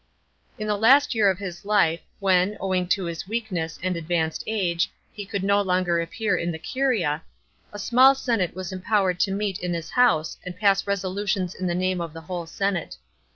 In the last year of his life, when, owing to his weakness and advanced age, he could no longer appear in the curia, a small senate was empowered to meet in his house and pass resolutions in the name of the whole senate.